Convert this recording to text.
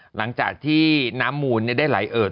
หลังจากที่น้ำมูลได้ไหลเอิด